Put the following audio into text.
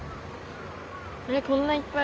こんないっぱい。